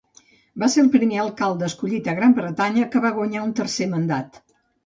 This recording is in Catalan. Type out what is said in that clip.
Va ser el primer alcalde escollit a Gran Bretanya que va guanyar un tercer mandat.